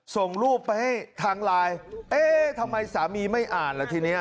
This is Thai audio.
ส่งรูปไปให้ทางไลน์เอ๊ะทำไมสามีไม่อ่านล่ะทีนี้